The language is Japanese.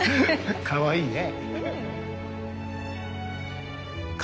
かわいいね。